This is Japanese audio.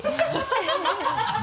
ハハハ